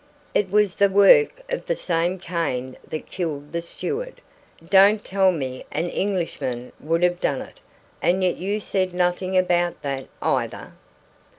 "It was the work of the same cane that killed the steward. Don't tell me an Englishman would have done it; and yet you said nothing about that either!"